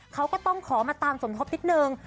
เขาก็ต้องขอมาตามสมทบนิดนึง